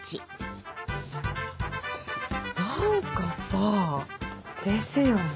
何かさぁ。ですよね。